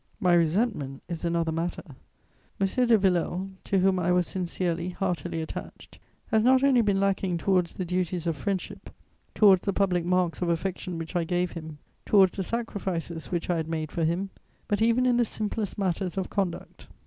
My resentment is another matter. M. de Villèle, to whom I was sincerely, heartily attached, has not only been lacking towards the duties of friendship, towards the public marks of affection which I gave him, towards the sacrifices which I had made for him, but even in the simplest matters of conduct.